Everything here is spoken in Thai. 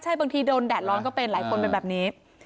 ใช่บางทีโดนแดดร้อนก็เป็นหลายคนเป็นแบบนี้